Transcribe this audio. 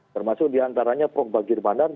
termasuk diantaranya prok bagir bandar